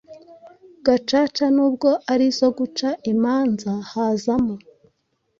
Gacaca: nubwo ar'izo guca imanza, hazamo